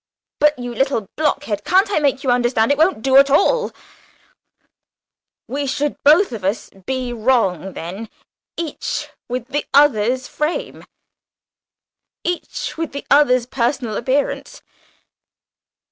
"But, you little blockhead, can't I make you understand? It wouldn't do at all. We should both of us be wrong then each with the other's personal appearance."